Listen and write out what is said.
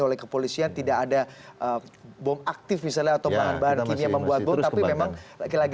oleh kepolisian tidak ada bom aktif misalnya atau bahan bahan kini yang membuat bom tapi memang lagi